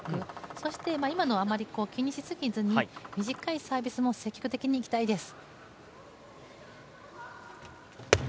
そして今のはあまり気にしすぎずに短いサービスも積極的にいきたいです。